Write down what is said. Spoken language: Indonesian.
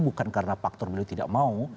bukan karena faktor beliau tidak mau